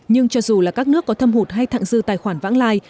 nhưng cho dù là các nước có thâm hụt hay thẳng dư tài khoản vãng lai